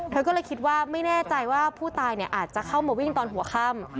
เธอก็เลยคิดว่าไม่แน่ใจว่าผู้ตายอาจจะเข้ามาวิ่งตอนหัวค่ำ